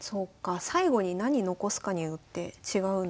最後に何残すかによって違うんですね。